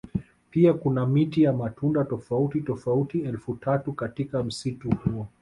Pia kuna miti ya matunda tofauti tofauti elfu tatu katika msitu huo